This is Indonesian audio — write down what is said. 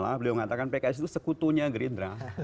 pak prabowo mengatakan pks itu sekutunya gerindra